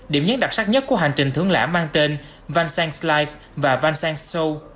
điểm nhắc đặc sắc nhất của hành trình thượng lãm mang tên vincent s life và vincent s soul